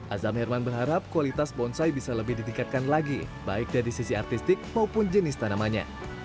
azam herman berharap kualitas bonsai bisa lebih ditingkatkan lagi baik dari sisi artistik maupun jenis tanamannya